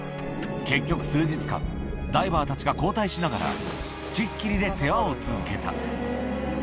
結局、数日間、ダイバーたちが交代しながら、付きっきりで世話を続けた。